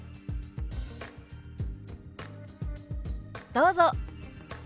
どうぞ。